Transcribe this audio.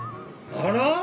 あら？